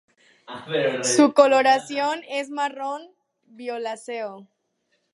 Su coloración es marrón violáceo.